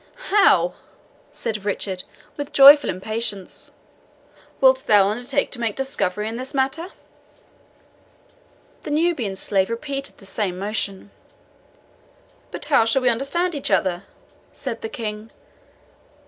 "How!" said Richard, with joyful impatience. "Wilt thou undertake to make discovery in this matter?" The Nubian slave repeated the same motion. "But how shall we understand each other?" said the King.